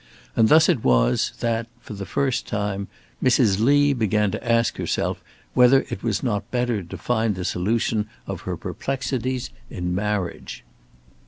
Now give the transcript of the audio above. And thus it was, that, for the first time, Mrs. Lee began to ask herself whether it was not better to find the solution of her perplexities in marriage.